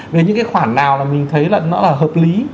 về những cái khoản nào là mình thấy là nó là hợp lý